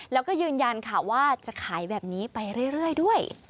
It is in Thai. แล้วก็ยืนยันค่ะว่าจะขายแบบนี้ไปเรื่อยด้วย